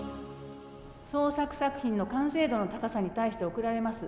創作作品の完成度の高さに対して贈られます